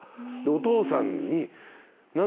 お義父さんに。